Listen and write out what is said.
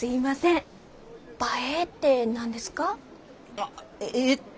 あっえっと